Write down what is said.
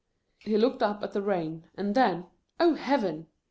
He looked up at the rain, and then — oh Heaven